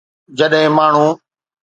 جڏهن ماڻهو